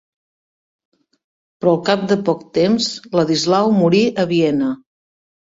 Però al cap de poc de temps Ladislau morí a Viena.